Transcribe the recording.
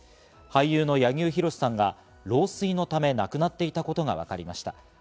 俳優の柳生博さんが老衰のため亡くなっていたことがわかりました。